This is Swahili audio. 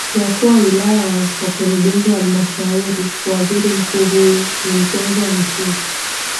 wakuu wa wilaya na wakurugenzi wa halmashauriWaziri Mkuu huyu ni mpenzi wa mchezo